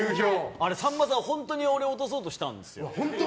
さんまさん、本当に俺を落とそうとしたんですよ。